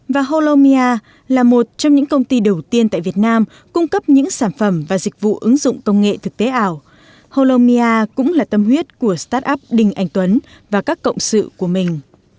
và holomia là một trong những công ty đầu tiên tại việt nam cung cấp những sản phẩm và dịch vụ ứng dụng công nghệ thực tế ảo holomia cũng là tâm huyết của start up đinh anh tuấn và các cộng sự của mình